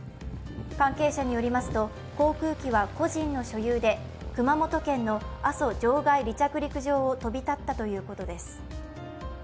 関係者によりますと、航空機は個人の所有で熊本県の阿蘇場外離着陸場を飛び立ったということです。